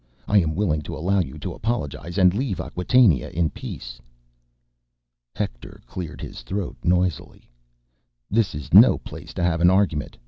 I am willing to allow you to apologize and leave Acquatainia in peace." Hector cleared his throat noisily. "This is no place to have an argument